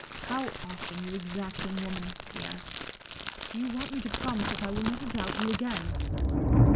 "How often, you exacting woman," he asked, "do you want me to promise that I will never doubt you again."